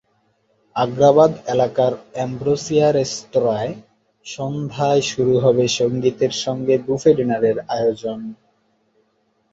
আগ্রাবাদ এলাকার অ্যাম্ব্রোসিয়া রেস্তোরাঁয় সন্ধ্যায় শুরু হবে সংগীতের সঙ্গে বুফে ডিনারের আয়োজন।